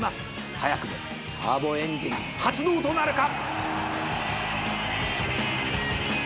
「早くもターボエンジン発動となるか！？」